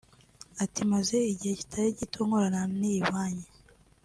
Ati “Maze igihe kitari gito nkorana n’iyi Banki